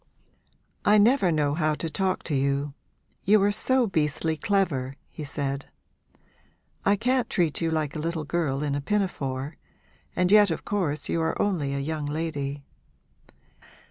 'I never know how to talk to you you are so beastly clever,' he said. 'I can't treat you like a little girl in a pinafore and yet of course you are only a young lady.